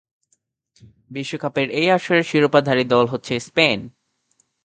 বিশ্বকাপের এই আসরের শিরোপাধারী দল হচ্ছে স্পেন।